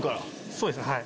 そうですね。